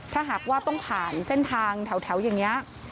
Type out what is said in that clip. ถ้าหากว่าต้องผ่านเส้นทางแถวอย่างนี้